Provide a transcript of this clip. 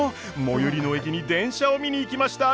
最寄りの駅に電車を見に行きました！